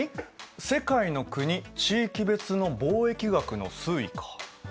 「世界の国・地域別の貿易額の推移」か。